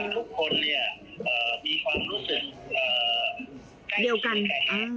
ทุกคนมีความรู้สึกใกล้ดีกันว่า